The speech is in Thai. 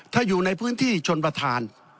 ถ้าอยู่ในพื้นที่ชนประธาน